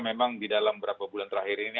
memang di dalam beberapa bulan terakhir ini